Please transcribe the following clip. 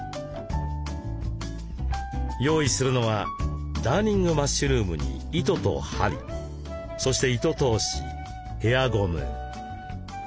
用意するのはダーニングマッシュルームに糸と針そして糸通しヘアゴム。